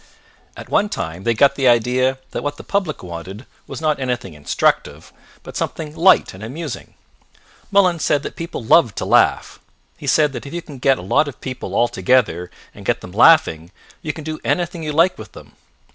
At one time they got the idea that what the public wanted was not anything instructive but something light and amusing. Mullins said that people loved to laugh. He said that if you get a lot of people all together and get them laughing you can do anything you like with them.